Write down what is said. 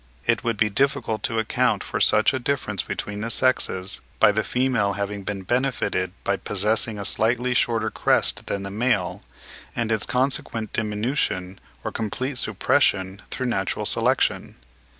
It would be difficult to account for such a difference between the sexes by the female having been benefited by possessing a slightly shorter crest than the male, and its consequent diminution or complete suppression through natural selection.